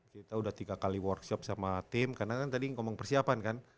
kita udah tiga kali workshop sama tim karena kan tadi ngomong persiapan kan